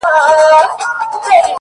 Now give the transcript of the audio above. ژر سه ته زما له گرانښته قدم اخله!!